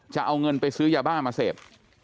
จะเอาเงินไปซื้อยาบ้ามาเสพ